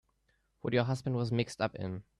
What your husband was mixed up in.